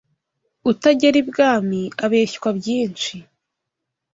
Utagera ibwami abeshywa byinshi